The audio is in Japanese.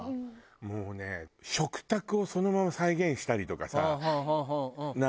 もうね食卓をそのまま再現したりとかさない？